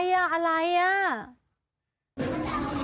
ขออนุญาตนานำตัวเดิม